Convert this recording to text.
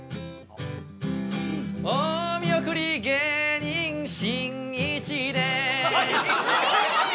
お見送り芸人しんいちですいい！